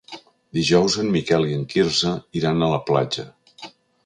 Dijous en Miquel i en Quirze iran a la platja.